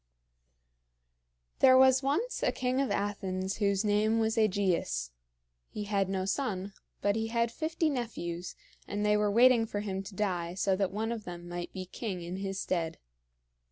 There was once a king of Athens whose name was AEgeus. He had no son; but he had fifty nephews, and they were waiting for him to die, so that one of them might be king in his stead.